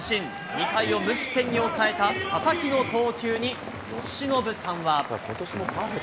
２回を無失点に抑えた佐々木の投球に由伸さんは。